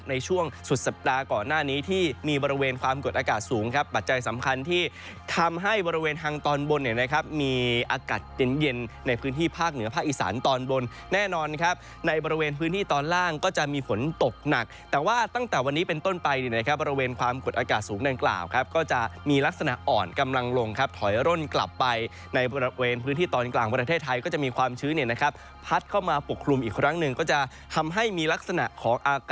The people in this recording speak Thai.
ในช่วงสุดสัปดาห์ก่อนหน้านี้ที่มีบริเวณความกดอากาศสูงครับบัจจัยสำคัญที่ทำให้บริเวณฮังตอนบนเนี่ยนะครับมีอากาศเย็นในพื้นที่ภาคเหนือภาคอีสานตอนบนแน่นอนครับในบริเวณพื้นที่ตอนล่างก็จะมีฝนตกหนักแต่ว่าตั้งแต่วันนี้เป็นต้นไปเนี่ยนะครับบริเวณความกดอากาศสูงนั้นกล่